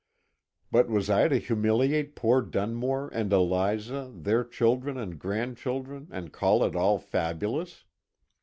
But was I to humiliate poor Dunmore and Eliza, their children and grandchildren, and call it all fabulous